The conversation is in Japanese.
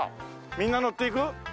みんな乗っていく？